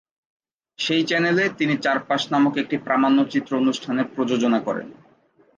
সেই চ্যানেলে তিনি "চারপাশ" নামক একটি প্রামাণ্যচিত্র অনুষ্ঠানের প্রযোজনা করেন।